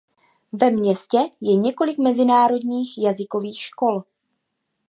Ve městě je několik mezinárodních jazykových škol.